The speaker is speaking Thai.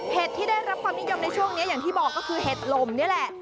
ที่ได้รับความนิยมในช่วงนี้อย่างที่บอกก็คือเห็ดลมนี่แหละ